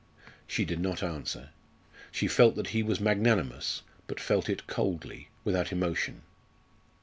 She did not answer. She felt that he was magnanimous, but felt it coldly, without emotion.